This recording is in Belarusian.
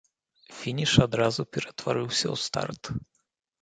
Фініш адразу ператварыўся ў старт.